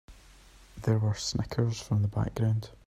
There were snickers from the background.